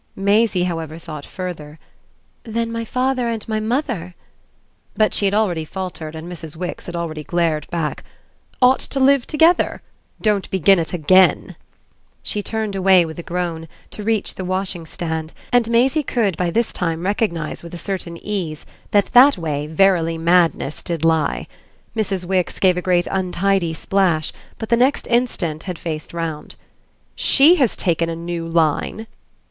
Maisie, however, thought further. "Then my father and my mother !" But she had already faltered and Mrs. Wix had already glared back: "Ought to live together? Don't begin it AGAIN!" She turned away with a groan, to reach the washing stand, and Maisie could by this time recognise with a certain ease that that way verily madness did lie. Mrs. Wix gave a great untidy splash, but the next instant had faced round. "She has taken a new line."